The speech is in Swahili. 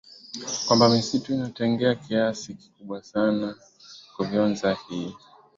kwamba misitu inatengea kiasi kikubwa sana kuvyonza hii